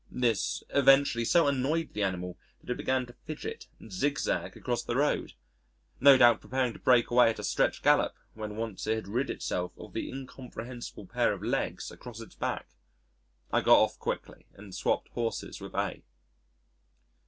This eventually so annoyed the animal that it began to fidget and zigzag across the road no doubt preparing to break away at a stretch gallop when once it had rid itself of the incomprehensible pair of legs across its back. I got off quickly and swopped horses with A